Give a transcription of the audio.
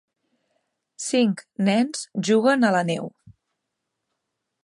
Cinc nens juguen a la neu.